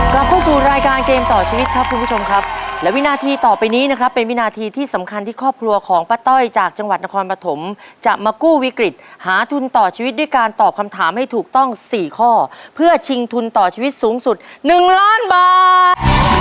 กลับเข้าสู่รายการเกมต่อชีวิตครับคุณผู้ชมครับและวินาทีต่อไปนี้นะครับเป็นวินาทีที่สำคัญที่ครอบครัวของป้าต้อยจากจังหวัดนครปฐมจะมากู้วิกฤตหาทุนต่อชีวิตด้วยการตอบคำถามให้ถูกต้องสี่ข้อเพื่อชิงทุนต่อชีวิตสูงสุดหนึ่งล้านบาท